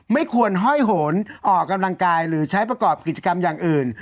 ไม่ควรห้อยโหนออกกำลังกายหรือใช้ประกอบกิจกรรมอย่างอื่น